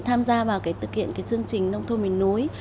tham gia vào cái thực hiện cái chương trình nông thôn mình núi